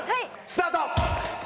スタート！